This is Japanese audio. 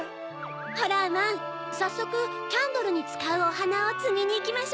ホラーマンさっそくキャンドルにつかうおはなをつみにいきましょう。